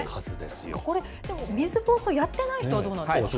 これ、水ぼうそうやってない人は、どうなんですか。